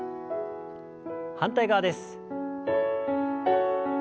反対側です。